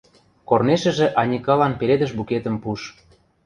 Корнешӹжӹ Аникалан пеледӹш букетӹм пуш...